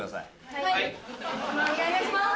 はいお願いします。